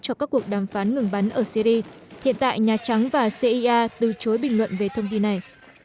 cho các cuộc đàm phán ngừng bắn ở syri hiện tại nhà trắng và cia từ chối bình luận về thông tin này